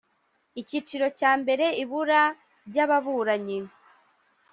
icyiciro cya mbere ibura ry ababuranyi